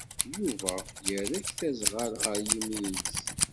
Yuba yerra aktaẓɣal ɣer yimi-nnes.